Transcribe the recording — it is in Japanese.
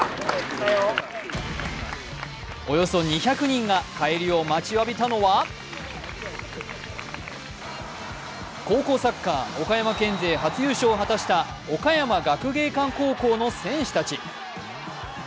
およそ２００人が帰りを待ちわびたのは高校サッカー岡山県勢初優勝を果たした岡山学芸館高校の選手たち。